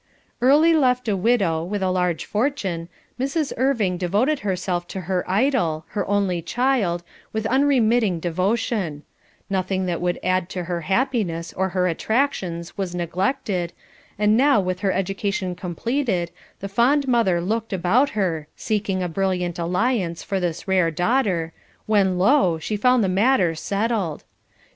Early left a widow, with a large fortune, Mrs. Irving devoted herself to her idol, her only child, with unremitting devotion; nothing that would add to her happiness or her attractions was neglected, and now with her education completed, the fond mother looked about her, seeking a brilliant alliance for this rare daughter, when lo! she found the matter settled.